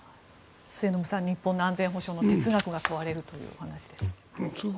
末延さん日本の安全保障の哲学が問われるというお話ですが。